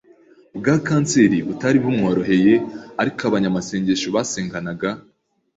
bwa kanseri butari bumworoheye ariko abanyamasengesho basenganaga